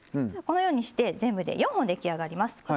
このようにして全部で４本出来上がります。